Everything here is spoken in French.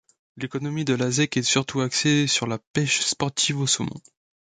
L'économie de la zec est surtout axée sur la pêche sportive au saumon.